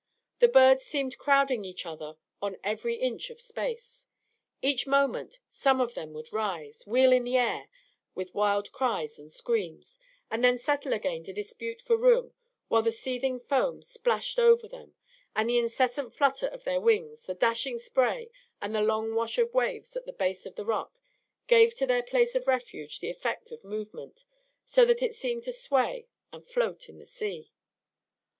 The birds seemed crowding each other on every inch of space. Each moment some of them would rise, wheel in air with wild cries and screams, and then settle again to dispute for room, while the seething foam splashed over them; and the incessant flutter of their wings, the dashing spray, and the long wash of waves at the base of the rock gave to their place of refuge the effect of movement, so that it seemed to sway and float in the sea.